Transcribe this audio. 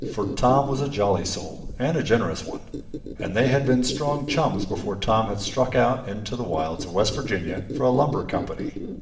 For Tom was a jolly soul and a generous one, and they had been strong chums before Tom had struck out into the wilds of West Virginia for a lumber company.